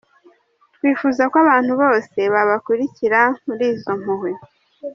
Twifuza ko abantu bose babakurikira muri izo mpuhwe.